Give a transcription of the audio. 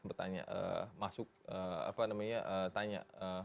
sempet tanya masuk apa namanya tanya